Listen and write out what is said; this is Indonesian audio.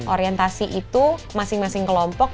orientasi itu masing masing kelompok